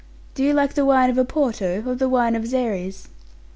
Do you like the wine of Oporto, or the wine of Xeres?'